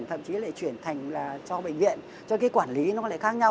thậm chí lại chuyển thành là cho bệnh viện cho cái quản lý nó lại khác nhau